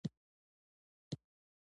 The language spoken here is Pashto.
د قیمتي ډبرو تخنیکي پروسس ارزښت زیاتوي.